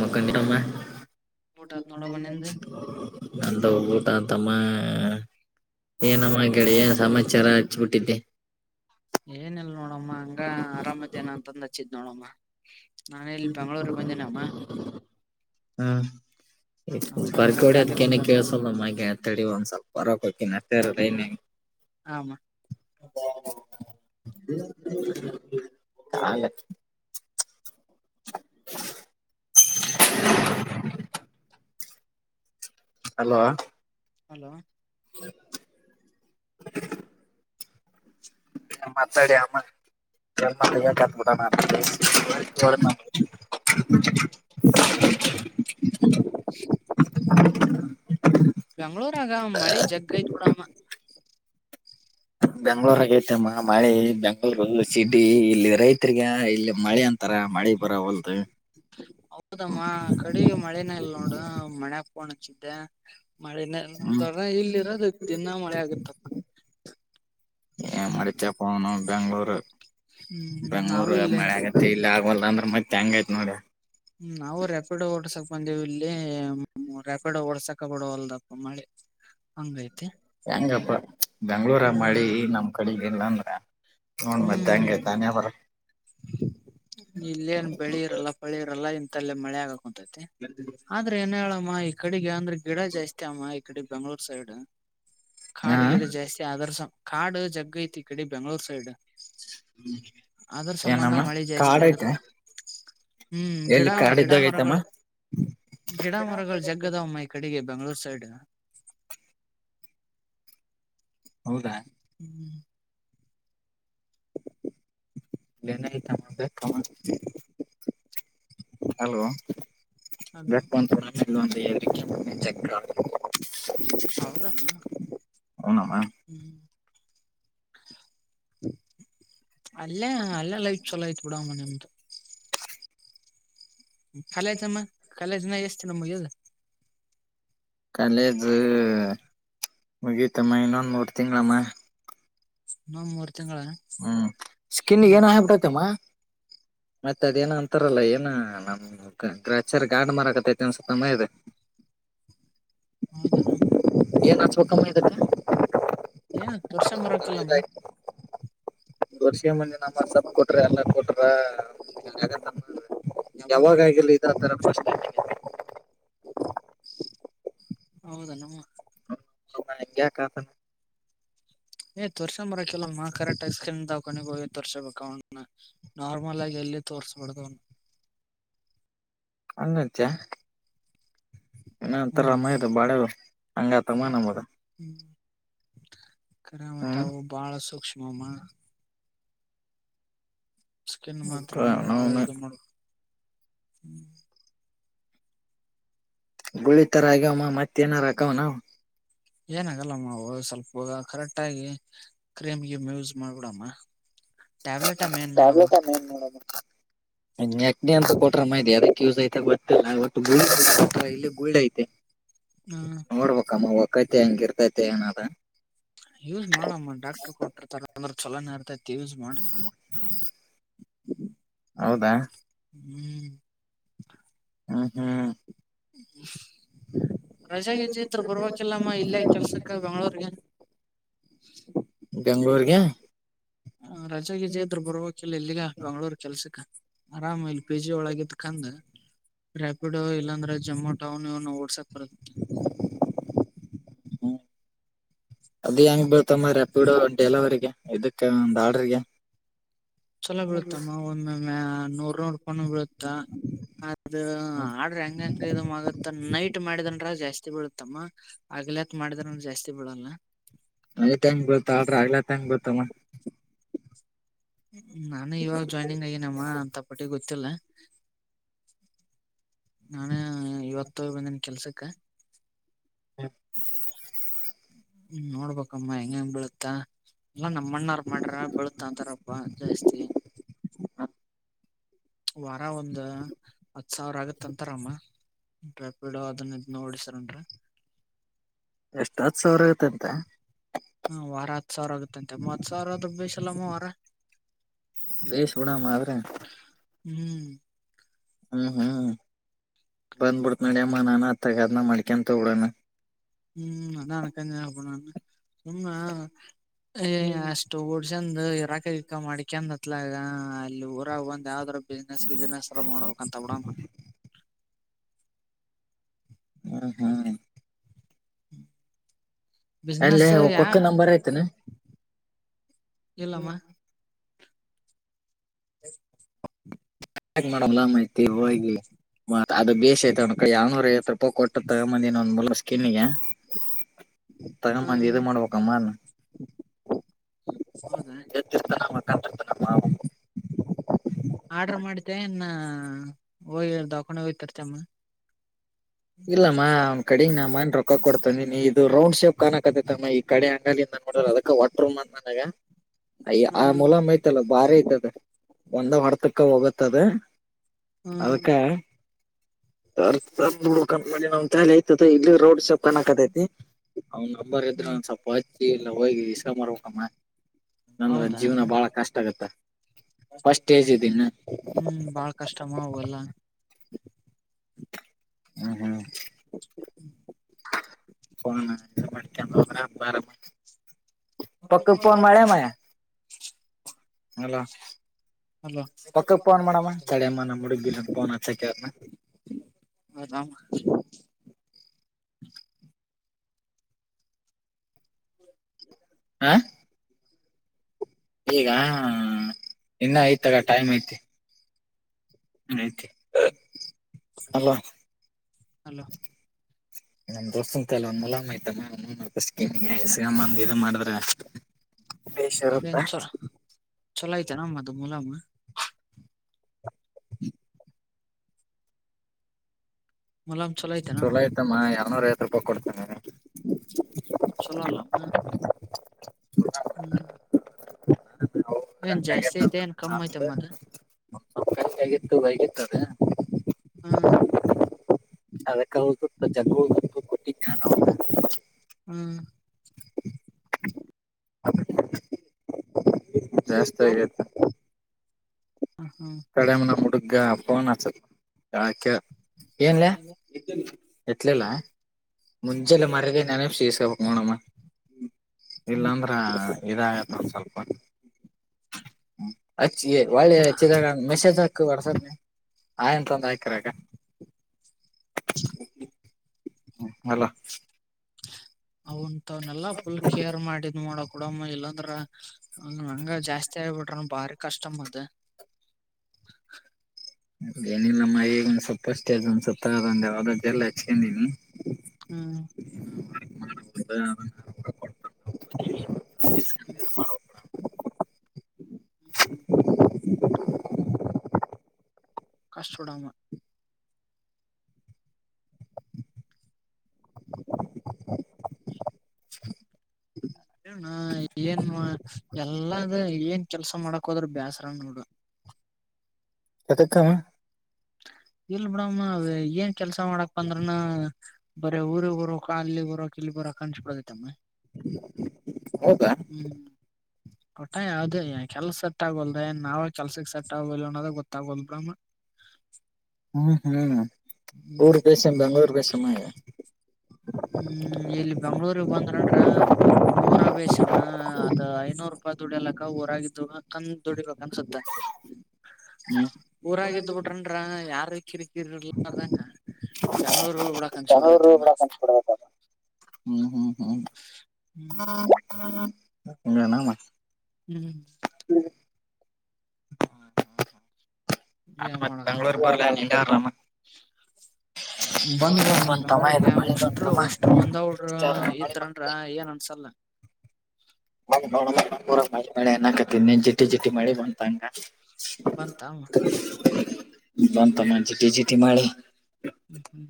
ಮಕ್ಕ ಊಟ ಆತ್ ನೋಡಮ್ಮ ನಿಂದ ಅಂತ ತಮ್ಮ ಏನಮ್ಮ ಕಡೆಯ ಸಮಾಚಾರ ಹಚ್ಬಿಟ್ಟಿದ್ದೆ ಏನಲ್ ನೋಡಮ್ಮ ಹಂಗ ಆರಾಮದೇನ ಅಂತಂದು ಹಚ್ಚಿದ್ ನೋಡಮ್ಮ ನಾನ ಇಲ್ಲಿ ಬೆಂಗಳೂರು ಬಂದೇನಮ್ಮ ಹಾ ಅದ್ಕ ಹಂಗ ಬರ್ಗೋಡಿ ಖಾಲಿ ಅದ್ಕೇನ ಕುಂತ್ ಕೇಳ್ಸಲ್ಲ ನಮ್ಮ ಮ ಅತಡಿ ಒಂದ್ ಸ್ವಲ್ಪ ಹೊರಕ್ ಹಕಿ ಅ ನ್ ಆಮ [unintelligible] [unintelligible] ಹಲೋ ಹಲೋ ಹ [inaudible] ಮಾತಾಡಿ ಆಮ್ಮ ಜ ಕತ್ಬಡ ಹ [inaudible] [inaudible] ಬೆಂಗ್ಳೂರ ಆಗ ಮಳಿ ಜಗ್ಗೋಡಾಮ ಬೆಂಗ್ಳೂರ್ ಹಾಗೆ ಐತೆ ಅಮ್ಮ ಮಳೆ ಬೆಂಗಳೂರು ಸಿಡಿ ಇಲ್ಲಿ ರೈತರಿಗ ಇಲ್ಲಿ ಮಳೆ ಅಂತ ಹೌದಮ್ಮ ಕಡಿ ಮಳೆನ ಇಲ್ ನೋಡ ಮಣೆ ಕಣಚಿದ್ದೆ ಹ್ಮ್ ಮಳೆೆಲ್ಲಂತರ ಇಲ್ಲಿ ಇರೋದು ದಿನ ಮಳೆ ಆಗತ್ತಪ್ಪ ಏ ಮಡತಾ ಪನು ಬೆಂಗ್ಳೂರು ಹ್ಮ್ ನಾವು ಬೆಂಗ್ಳೂರು ಇಲ್ಲಿ ಮಳೆ ಆಗತ್ತ ಇಲ್ಲ ಆಗಲ್ಲ ಅಂದ್ರೆ ಮತ್ತೆ ಹೆಂಗಯ್ತ್ ನೋಡಿ ಮಂದ ಇಲ್ಲಿ ರೆಪಿಡ್ ಓಡ್ಸಕ ಬಿಡ ಅಲ್ದಪ್ಪ ಮಳೆ ಹಂಗೈ್ತು ಹೆಂಗಪ್ಪ ಬೆಂಗ್ಳೂರ ಮಾಡಿ ಹ್ಮ್ ನಮ್ ಕಡೆಗ ಇಲ್ಲ ಅಂದ್ರ ಹನ್ ಮತ್ತೆ ಹಂಗಯ್ತಾನೆ ಬರ ಇಲ್ಲೇನು ಬೆಳಿ ಇರಲ್ಲ ಪಳಿ ಇರಲ್ಲ ಇ ೇ ಮಳೆ ಆಗಕ್ ಉಂಟೈತೆ ಆದ್ರೆ ಏ ಹೇಳ ಅಮ್ಮ ಈ ಕಡೆಗೆ ಅಂದ್ರೆ ಗಿಡ ಜಾಸ್ತಿ ಅಮ್ಮ ಈ ಕಡೆ ಬೆಂಗ್ಳೂರ್ ಸೈಡ್ ಹಾ ಕಾಡ್ ಗಿಡ ಜಾಸ್ತಿ ಅರ್ಸ ಕಾಡು ಜಗ್ಗ ಐತಿ ಈ ಕಡೆ ಬೆಂಗ್ಳೂರ್ ಸೈಡ್ ಅದ್ರ ಸಂಬಂಧ ಏನಮ್ಮ ಮಳೆ ಜಾಸ್ತಿ ಕಾಡ್ ಐತೆ ಆಗುತ್ತಾ ಹ್ಮ್ ಗಿಡ ಎಲ್ಲಿ ಕಾಡ್ ಗಿಡ ಇದ್ದಾಗ ಐತಮ್ಮ ಮರಗಳು ಗಿಡ ಮರಗಳು ಜಗ್ಗದವಮ್ಮೈ ಕಡೆಗೆ ಬೆಂಗ್ಳೂರು ಸೈಡ್ ಹೌದಾ ಹ್ಮ್ ಲನದ ತ ಅದು ಹಲೋಂತ ಹೌದಾನ ಹೌನಮ್ಮ ಹ್ಮ್ [inaudible] ಅಲ್ಲೇ ಅಲ್ಲೇ ಲೈಫ್ ಚಲೋ ಆಯ್ತ್ ಬಿಡ ಮನಂತ ಕಾಲ್ಮ್ಮ ಕಖಾಲಾಯ್ಿನ ಎಷ್ಟು ನಮಗೆದ ಕಾಲೇಜ ಮುಗೀಿತಮ್ಮ ಇನ್ನೊಂದು ಮೂರು ತಿಂಗಳಮ್ಮ ನ್ಡ್ ಹ್ಮ್ ಸ್ಕಿನ್ ಏನ ಹಬಿಟ್ಟೈತಮ್ಮ ಮತ್ತತ್ ಅದೇಏನ ಅಂತಾರಲ್ಲ ಏನ ನಮ್ ಗ್ರಾಚರ್ ಗಾಡ್ ಮರಕತ್ತೈತಿ ಒನ್ಸತ ಮದೆ [inaudible] ಹೌದಣ ಇದಕ್ಕ ಏನ ವರ್ಷ ಮರಕಿಲ್ಲಮ್ಮ ವರ್ಷೆ ಮುಂಜೆ ನಮ್ಮ ಸಪ್ ಕೊಟ್ರಿ ಎಲ್ಲ ಕೊಟ್ರಗ್ರ ಯಾವಾಗ ಆಾಗಿಿಲ್ಲ ಇ ಅಂತರ ಸ್ಟ್ ಹೌದಾ ನಮ್ಮ ಅವ ನ ಎಂಗ ಕತಣ ಏ್ ತೋರ್ಸೊಂಬರಕಲ್ಲ ಕರೆಕ್ಟ್ ಐಸ್ ಕ್ರೀನ್ಕೊಂಡಿ ಹೋಗಿ ತೋರ್ಸೋಬೇಕ ಅವ ನಾರ್ಮಲ್ ಆಗಿ ಇಲ್ಲ ತೋರ್ಸಬಡ್ದ ಅವನು ಅಂಗತ್ಯ ಇನ್ನಂತರ ಹೂನಮ್ಮ ರಮ್ಮ ಇದು ಬಾಳೆ ಹಂಗ ತಗಮ್ಮ ನಮದ ಹ್ಮ್ ಕರಾಮತವು ಬಾಳ ಸೂಕ್ಷ್ಮಮ್ಮ ಸ್ಕಿನ್ ಮಾತ್ರ ಬಾಳ ನಾವ್ನು ಇ ಮಾಡುದು ಹ್ಮ್ ಗುಳಿತರಗ್ಯವಮ್ಮ ಮತ್ತೇನ ರಾಕವ ನ ಏನ ಆಗಲ್ಲಮ್ಮ ಸ್ವಲ್ಪ ಹ ಕರೆಕ್ಟ್ ಆಗಿ ಕ್ರೀಮ್ಗೆ ಯೂಸ್ ಮಾಡ್ಬಿಡಮ್ಮ ಟ್ಯಾಬ್ಲೆಟ್ ಅಮ್ಮ ಏನ್ ನೋಡಮ್ಮ ಾವಲಪ ಮನ್ ಮಡ ನೆಕ್ಡಿ ಅಂತ ಕೊಟ್ರ ಮೈ ಅದಕ್ಕೆ ಯೂಸ್ ಐತೆ ಗೊತ್ತಿಲ್ಲ ಒ ಗ ಇಲ್ಲಿ ಗುಳಿ ಐತೆ ಹ್ಮ್ ಂಗಿರ್ತತನ ಅದ ಯೂಸ್ ಮಾಡಮ್ಮ ಡಾಕ್ಟರ್ ಕೊಟ್ಟಿರ್ತಾರ ಅಂದ್ರೆ ಚಲನೇ ಇರ್ತೈತಿ ತಿವ ಸ ಮಾಡ ಹೌದಾ ಹ್ಮ್ ಹ್ಮ್ ಹ್ಮ್ ಹ್ಮ ರಜೆೆಗೆ್ದತ್ರ ಬರ್ಬೇಕಕಿಲ್ಲಮ್ಮ ಇಲ್ಲೇ ಕೆಲ್ಸಕ್ಕ ಬೆಂಗ್ಗಳೂರ್ಗೆ ಬೆಂಗ್ಗಳೂರ್ಗೆ ರಜಜಯದ್ರ ಬರುವಕಲ್ಲ ಎಲ್ಲಿಗ ಬೆಂಗಗಳೂರ್ ಕೆಲ್ಸಕ್ಕ ಆರಾಮ್ ಇಲ್ ಪಿ ಜಿ ಒಳಗಿದ ಕಂದ್ ರಾಪಿಡೋ ಇಲ್ಲಾಂದ್ರೆ ಜಮೋ ನ್ ಇ ನ ವರ್ಷ ಪ ಹ್ಮ್ ಅದ ಹೆಂಗ್ ಬತಮ್ಮ ರಪಡಂಟಲ ಅವರಿಗೆ ಇದಕ್ಕೆ ಒಂದು ಆಾಡಿಗೆ ಚಲೋ ಬೀಳುತ್ತಮ್ಮ ಒಂದ ನೂರ್ ನೋಡ್ಕೊಂಡ ಬೀಳುತ್ತ ಅದ ಹ್ಮ್ ಆಡ್ರಿ ಹಂಗಂಗ ಇದ ಮಗತ್ ನೈಟ್ ಮಾಡಿದನ್ ರಾ ಜಾಸ್ತಿ ಬೀಳತ್ತಮ್ಮ ಆಗ್ಲತ್ ಮಾಡಿದ್ರ ಜಾಸ್ತಿ ಬೀಳಲ್ಲ ಅಟಂಗ್ ಗೊತ್ತಾ ಅಲ್್ರ ಆಗ್ಲಾ ತಂಗ್ ಗೊತ್ತಲ್ಲ ನಾನು ಇವಾಗ ಜಾಯ್ನಿಂಗ್ ಆಗನಮ್ಮ ಅಂತಪಟ್ಟಿಗೆ ಗೊತ್ತಿಲ್ಲ ನಾನೇ ಇವತ್ತು ಬಂದಿನ ಕೆಲ್ಸಕ್ಕ ಹ್ಮ ಹ್ಮ್ ನೋಡ್ಬಮ್ಮ ಹೆಂಗ ಹೆಂಗ್ ಬೀಳುತ್ತಾ ಎಲ್ಲಾ ನಮ್ಮ ಮಣ್ಣಾರ್ ಮಾಡ್ರ ಬೆಳತ್ಾ ಅಂತಾರಪ್ಪ ಜಾಸ್ತಿ ಹಪ್ಪ ವಾರ ಒಂದ ಹತ್ ಸಾವಿರ ಆಗತ್ ಅಂತಾರಮ್ಮ ್ಯಾಪ್ಿಡ ಅದನ್ ಇದ್ ನೋಡಿ ಸರ್ನ್ರರಿ ಎಷ್ಟ ಹತ್ ಸಾವಿರ ಇಗತ್ತ ಅಂತೆ ಹ್ಮ ವಾರ ಹತ್ ಸಾವಿರ ಆಗುತ್ತಂತೆ ಮೂವತ್ ಸಾವಿರದ ಬಿಸಲ್ಲಮ್ಮ ವಾರ ಬೇಶುಣಾಮ ಅವ್ರೆ ಹ್ಮ್ ಹ್ಮ್ ಹ್ಮ್ ಬಂದ್ಬಿಡ್ತ್ ನಡ್ಯ ಅಮ್ಮ ನಾನ ತಗದನ ಮಾಡಡಕಂತ ತಗಡೋಣ ಹ್ಮ್ ಅನಕ ಸುಮ್ಮ ಹ್ಮ್ ಏಷ್ಟ ಚಂದ್ ಇ ರಾಕ ಇಕ್ಕಾ ಮಾಡಿ ಕೆಂದ್ ಹತ್ಲಾಗ ಅಲ್ಲಿ ಊರಾಗ ಬಂದ್ ಯಾವ್ದ್ರ ಬಿಸ್ಿನನೆಸ್ ಗಿಸ್ನೆಸ್ ಎಲ್ಲ ಮಾಡಬೇಕಕ್ಂತ ಬಿಡ ಹ್ಮ ಹ್ಮ ಅಲ್ಲೇ ಒ ಪಕ್ಕ ನಂಬರ್ ಐತನೆ ಇಲ್ಲಾಮಾ ಹ ಮಾಡಮ್ಲ ಆಐತಿ ಹೋಗಿ ಅದು ಬೇ್ಐತಕ ಯಾವನೂರ ಹ ರೂಪಾಯಿ ಕೊಟ್ಟ ತಗ ಮಂದಿನ್ೊಂದ್ ಮುಲ ಸ್ಕಿನ್ಿಗೆ ತಗ ಹ ಮಂದಿ ಇ ಮಾಡ್ಬೇಕಮ್ಮ ಹೌದಾ ಕತ್ರಡ ಆರ್ಡರ್ ಮಾಡಿದ್ದ ಇನ್ನ ಹೋಗಿಕೊಂಡು ಹೋಗ್ತರ್ ಚಮ್ಮ ಇಲ್ಲಮ್ಮ ಒ್ ಕಡೆಗ್ ನಾ ಮನ್ ರೊಕ್ಕ ಕೊಡ್ತಂದೀನಿ ಇದು ರೌಂಡ್ ಶೇಪ್ ಕಾಣಕತ್ತ ತಮ್ಮ ಈ ಕಡೆ ಅಂಗ ನನ್ ನೋಡ ಅದಕ್ಕ ವಾಟ್ ರೂಮ್ ಅ ನನಗ ಅಯ್ಯೋ ಆ ಹ್ಮ ಮೂಲಮ್ ಐತಲ್ಲ ಬಾರಿ ಐತದದ್ದು ಒಂದೇ ಹೊಡತಕ್ಕೆ ಹೋಗತ್ತದು. ಹ್ಮ್ ಅದಕ್ಕ [unintelligible] ತಿತಿ ಇಲ್ಲಿ ರೋಡ್ ಶಾಪ್ ಕಣ್ಣಕತ್ತತ್ತಿ ಅವನ್ ನಂಬರ್ ಇದ್ರೆ ಹ್ಮ್ ಒಂದ್ ಸ್ವಲ್ಪ ಹಚ್ಚಿ ಎಲ್ಲ ಹೋಗಿ ಇಸ ಮಡಬೇಕಮ್ಮ ನಂದ್ರ ಹೌದಾ ಜೀವನ ಬಾಳ ಕಷ್ಟ ಆಗುತ್ತ ಹ್ಮ್ ಬಾಳ ಕಷ್ಟಮ ಅವ್ ಎಲ್ಲಾ ಹೂ ಹೂ [unintelligible] ಪಕ್ಕು ಪೋನ್ ಮಾಡೆನ ಹಲೋ ಹಲೋ ಪಕ್ಕುಕ್ಕೆ ಪೋನ್ ಮಾಡೇಣಮ್ಮ ತಡಯಮ್ಮ ನಮ್ಮ ಹುಡುಗಿ ಬಿರ್ನ ಪೋನ್ ಹಚ್ಚಕ್ಕ ಹೇಳ್ದನ ನಮ್ಮ ಹ ಈಗ ಇನ್ನ ಐತಲ್ಲ ಟೈಮ್ ಐತಿ ಐತೆ ಹಲೋ ಹಲೋ ನಮ್ ದೋಸ್ತ ಕೈಲಿ ಒಂದು ಮುಲಾಮು ಆಯತಮ್ಮ ಮುಖ ಮತ್ತು ಸ್ಕೀನ್ ಗೆ ಸೇಮ್ ಇದ್ ಮಾಡಿದ್ರೆ ಅಷ್ಟೇ ಏನ್ ಚ ಚಲೋ ಐತೆನೊ ಅದು ಮೂಲಮು [unintelligible] ಮುಲಾಮ್ ಚಲೋ ಐತೆನಮ್ಮ ಆಯತಮ್ಮ ಏಳೂರು ಐವತ್ತು ರೂಪಾಯಿ ಕೊಡ್ತೀನಿ ಚಲೋ ಅಲ್ಲಮ್ಮ ಹ್ಮ್ ಏನ್ ಜಾಸ್ತಿ ಐತೆ ಏನ್ ಕಮ್ಮ್ ಐತ ಮತ ಸ ಆಗಿತ್ತು ಬೈಗಿತ್ತದೆ ಹ್ಮ್ ಅದಕ್ಕ ಜ ಕೊಟ್ಟಿ ನಾನ್ ಅವಗ ಹ್ಮ್ ಜಾಸ್ತಿ ಹೌ ಆಗೈತೊ ಹ್ಮ್ ಕಡೆಮನ ಹುಡುಗ ಪೋನ್ ಹಚ್ಚದ ಯಾಕೆ ಏನ್ಲೆ ಎತ್ಲಿಲ್ಲ ಎತ್ಲಿಲ್ಲ ಮುಂಜೆಲ್ಲೆ ಮರಗೆ ಪೇಸ್ ಹೇ ಮಾಡೋಡಮ್ಮ ಹ್ಮ್ ಇಲ್ಲಾಂದ್ರ ಇದಾಗತ್ ಸ್ವಲ್ಪ ಹಚ್ಚೀ ಹೊಳೆಚ್ಚಿದ ಮೆಸೇಜ್ ಹಾಕು ವಾಟ್ಸಪ್ ಆಯ್ ಎಂತ ಒಂದು ಹಾಕಿರಕ ಹ ಹಲೋ ಅಂವತನ ಅವನೆಲ್ಲಾ ಪುಲ್ ಕೇರ್ ಮಾಡಿ ಇದ್ ಮಾಡಕ್ ಬುಡಮ್ಮ ಇಲ್ಲಂದ್ರೆ ನಂಗ ಜಾಸ್ತಿ ಆಗಬಿಟ್ರ ಬಾರಿ ಕಷ್ಟ ಮತ್ತೆ [unintelligible] ಏನಿಲ್ಲಮ್ಮ ಈಗ ಒಂದ್ ಸೂಪರ್ ಸ್ಟಾರ್ಜ ಒಂದ್ ಸುತ್ತ ಯಾವದಾದ್ದೆ ಎಲ್ಲ ಹಚ್ಕೊಂಡೀನಿ ಹ್ಮ್ [unintelligible] ಹಲೋ [unintelligible] ಕಷ್ಟಪಡಾಮ್ಮ ಹ್ಮ [unintelligible] ಏ ಏನ್ ಎಲ್ಲ ಅದೇ ಏನ್ ಕೆಲಸ ಮಾಡಕ್ ಹೋದ್ರೂ ಬೇಸರ ನೋಡು ಯಾಕಕ ಇಲ್ ಬಿಡಮ್ಮ ಅ ಏನ್ ಕೆಲಸ ಮಾಡಕ್ ಅಂದ್ರನ ಬರೀ ಊರಿಗೆ ಬರೋಕ್ ಅಲ್ಲಿ ಬರೋಕ್ ಇಲ್ಲಿ ಬರೋಕ್ ಅನಿಸಿ ಬಿಡತ್ತ ಹೌದಾ ಹ್ಮ್ ಒಟ್ ಯಾವ್ದದೇ ಕೆಲ್ಸ ಸಟ್ ಆಗೋಲ್ದೆ ನಾವೇ ಕೆಲ್ಸಕ್ ಸೆಟ್ ಆಗಲ್ ಅನ್ನೋದು ಗೊತ್ತಾಗೋಲ್ ಬಿಡಮ್ಮ ಹ್ಮ್ ಹ್ಮ್ ಹ್ಮ್ ಊರು ಬೆಸ ಬೆಂಗಳೂರು ಲೇಸ ಆಮೆ ಹ್ಮ್ ಇಲ್ಲಿ ಬೆಂಗಳೂರ್ ಬಂದ್ರ ಆಂದ್ರೆ ಊರ ಬೇಷಮ್ಮ ಅದ ಐನೂರು ರೂಪಾಯಿ ದುಡಲಕ್ಕ ಊರಾಗಿದ್ದು ಕಂದ ದುಡಿಬೇಕ ಅನ್ಸುತ್ತೆ ಹ್ಮ್ ಊರಾಗಿದ್ದ್ ಬಿಟ್ರನ್ರ ಯಾರ್ ಕಿರಿಕಿರಿಲ್ಲಗ ಬೆಂಗ್ಳೂರು ಬಿಡ ಕನ್ಸಬ ಬೆಂಗಳೂರು ಬಿಡದೈತಮ್ಮ ಬಿಡಕ್ ಅಂತ ಹ್ಮ್ ಹ್ಮ್ ಹ್ಮ್ ಹ್ಮ್ ಗಣಮ್ಮ ಹ್ಮ್ ಹ ಆ ಏನ್ ಮಾಡಕಪ್ಪ ಬೆಂಗ್ಗಳೂರು ಬರಲ ನಿಲ್ಲ ಬರಲಾಮ ಬಂದ್ ಬಿಡ ಬೆಂಗ್ಳೂರ್ಗೆ ಅಷ್ಟ್ರು ಒಷ್ಟರು ಒಂದ್ ಅವ್ರ ಅಷ್ಟ ಮಳಿ ಬಂತ ಇದತ್ರನ್ಏನ್ ಅನ್ಸಲ್ಲ ಎಕತನ್ ಜಿಟ್ಟಿ ಜಿಟ್ಟಿ ಮಾಡಿ ಬಂತಂಗ ಬಂತಂತ ಹ ತಿಮಾಳೆ ಹ್ಮ ಹ್ಮ್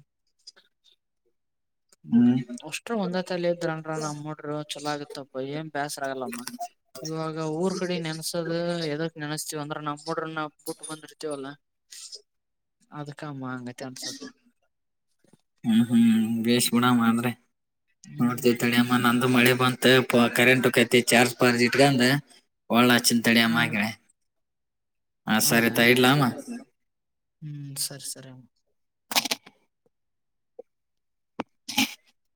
ಹ್ಮ ಹ್ಮ್ ಅಷ್ಟ್ರು ಒಂದೇ ತಲ ಇದ್ರನ್ ನಮ್ ಮೂಡರು ಚಲಾಗಿತ್ತಪ್ಪ ಏನ್ ಬೇ ಆಗಲ್ಲಮ್ಮ ಇವಾಗ ಊರ್ ಕಡೆ ನೆನ್ಸದ ಎದಕ್ ನೆನಸ್ತಿವ ಅಂದ್ರ ನಾ ಮೂಡ್ರ ನ ಬಟ್ಟ ಬಂದಿರ್ತೇವಲ್ಲ ಅ ಮ್ಮ ಅಂಗ ಚ ಅನ್ಸ್ದ ಹ್ಮ್ ಹ್ಮ್ ಬೇಶ್ ಗೂಡ ಮಾಡ್ರೆ ಹ್ಮ್ ನೋಡ್ತತಡ ಅಮ್ಮ ನಂದು ಮಳೆ ಬಂದ ಮ ಕರೆಂಟ್ಕತಿ ಚಾರ್ಜ್ ಪಾರ್ಜಿ ಇಟ್ಕಂದ ಒಳ್ಳ ಚಿಡ ಹಾ ಅಮ್ಮಗಡೆ ಹಾ ಹೌದಾ ಸರಿತಾ ಇಡ್ಲ ಅಮ್ಮ ಹ್ಮ್ ಸರಿ ಸರಿ ಅ [unintelligible]